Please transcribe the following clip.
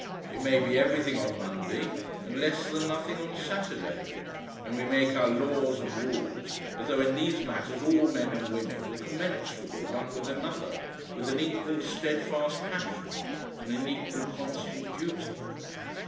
It may be everything on Monday and less than nothing on Saturday. And we make our laws and rules as though in these matters all men and women were commensurable one with another, with an equal steadfast passion and an equal constant duty....